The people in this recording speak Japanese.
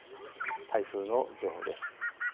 台風の情報です。